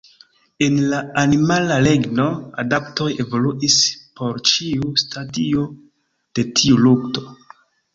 En la animala regno, adaptoj evoluis por ĉiu stadio de tiu lukto.